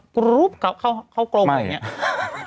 กรุ๊บเข้ากรงไหนเนี่ย